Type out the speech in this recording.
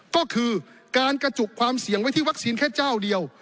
ก็คือการกระจุกความเสี่ยงไว้ที่วัคซีนแค่เจ้าเดียว